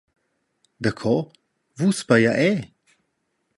Daco, Vus pia era?